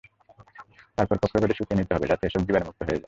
তারপর প্রখর রোদে শুকিয়ে নিতে হবে, যাতে এসব জীবাণুমুক্ত হয়ে যায়।